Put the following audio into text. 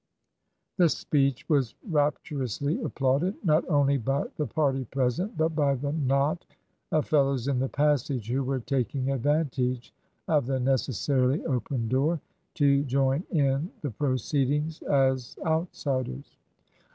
The speech was rapturously applauded, not only by the party present, but by the knot of fellows in the passage, who were taking advantage of the necessarily open door to join in the proceedings as outsiders.